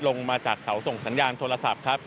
ลงมาจากเขาส่งสัญญาณโทรศัพท์ครับ